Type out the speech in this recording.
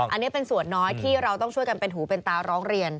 อันนี้เป็นส่วนน้อยที่เราต้องช่วยกันเป็นหูเป็นตาร้องเรียน